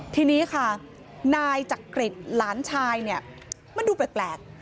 ทีนี้ค่ะนายจักริจหลานชายเนี่ยมันดูแปลก